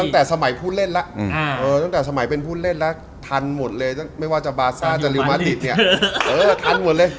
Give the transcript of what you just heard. ตั้งแต่สมัยเป็นผู้เล่นแล้วทันหมดเลยไม่ว่าจะบาร์ซ่าหรือลิวมาติด